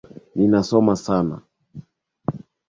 Ninasoma Sana.